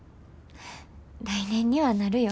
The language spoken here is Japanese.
来年にはなるよ。